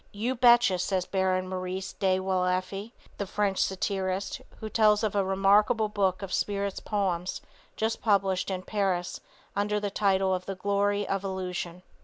You betcha, says Baron Maurice de Waleffe, the French satirist, who tells of a remarkable book of spirits' poems just published in Paris under the title of "The Glory of Illusion."